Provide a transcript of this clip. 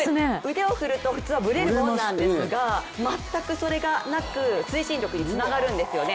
腕を振ると普通はぶれるものなんですが全くそれがなく、推進力につながるんですよね。